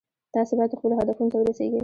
تاسو باید خپلو هدفونو ته ورسیږئ